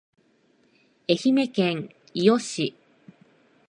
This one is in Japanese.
愛媛県伊予市